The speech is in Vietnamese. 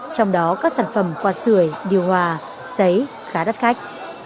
trong đó các sản phẩm quạt sưởi điều hòa sấy khá đắt khách